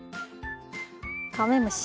カメムシ。